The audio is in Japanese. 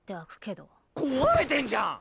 壊れてんじゃん！